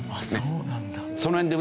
そうなんだ。